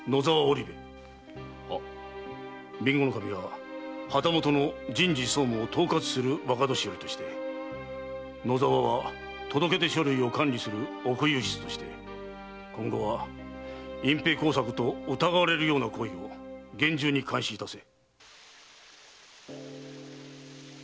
備後守は旗本の人事総務を統括する若年寄として野沢は届け出書類を管理する奥右筆として今後は隠蔽工作と疑われるような行為を厳重に監視いたせ。